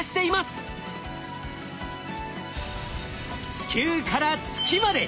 地球から月まで！